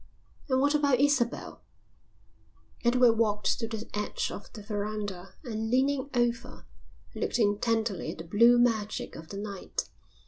"And what about Isabel?" Edward walked to the edge of the verandah and leaning over looked intently at the blue magic of the night.